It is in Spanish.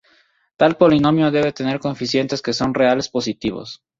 Tal polinomio debe tener coeficientes que son reales positivos.